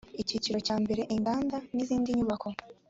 icyiciro cya mbere inganda n izindi nyubako